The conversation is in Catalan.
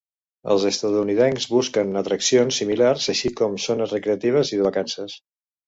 Els estatunidencs busquen atraccions similars, així com zones recreatives i de vacances.